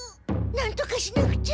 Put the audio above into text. なんとかしなくちゃ。